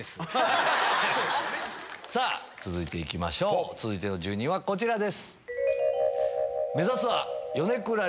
さぁ続いて行きましょう続いての住人はこちらです。